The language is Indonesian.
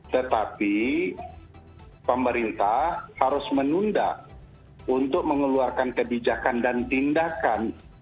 tetapi pemerintah harus menunda untuk mengeluarkan kebijakan dan tindakan